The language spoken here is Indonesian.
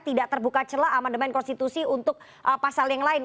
tidak terbuka celah amandemen konstitusi untuk pasal yang lain